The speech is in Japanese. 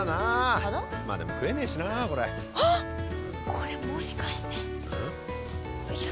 これもしかしてよいしょ。